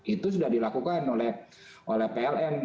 itu sudah dilakukan oleh pln